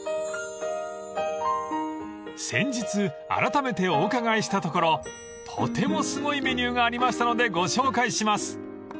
［先日あらためてお伺いしたところとてもすごいメニューがありましたのでご紹介します］